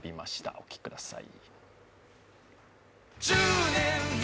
お聴きください。